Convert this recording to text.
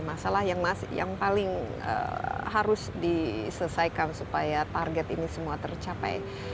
masalah yang paling harus diselesaikan supaya target ini semua tercapai